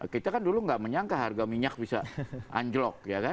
kita kan dulu nggak menyangka harga minyak bisa anjlok ya kan